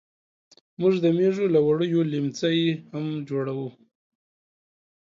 موږ د مېږو له وړیو لیمڅي هم جوړوو.